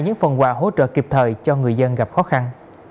những phần quà hỗ trợ kịp thời cho người dân gặp khó khăn